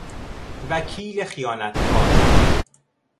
وکیل خیانت کار